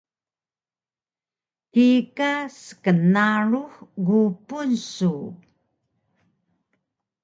kika sknarux gupun su